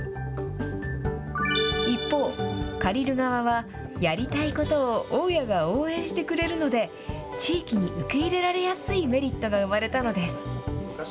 一方、借りる側は、やりたいことを大家が応援してくれるので、地域に受け入れられやすいメリットが生まれたのです。